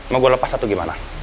mau gue lepas atau gimana